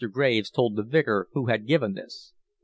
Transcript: Graves told the Vicar who had given this.